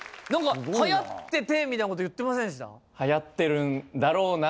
何か流行っててみたいなこと言ってませんでした？